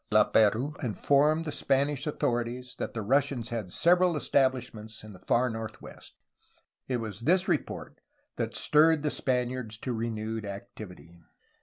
Laperouse informed the Spanish authorities that the Russians had several estabhsh ments in the far northwest. It was this report that stirred the Spaniards to renewed activity.